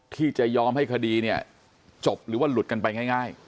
ที่จะยอมให้คดีเนี่ยจบหรือว่าหลุดกันไปง่าย